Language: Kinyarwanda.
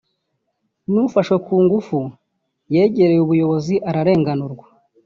n’ufashwe ku ngufu yegere ubuyobozi arenganurwe